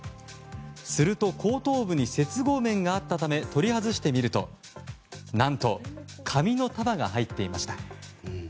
すると後頭部に接合面があったため、取り外してみると何と、紙の束が入っていました。